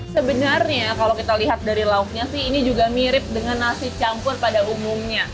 sebenarnya kalau kita lihat dari lauknya sih ini juga mirip dengan nasi campur pada umumnya